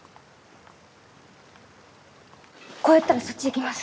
こうやったらそっち行けます。